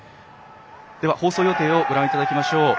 放送予定をご覧いただきましょう。